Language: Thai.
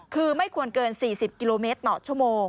คือไม่ควรเกิน๔๐กมต่อชั่วโมง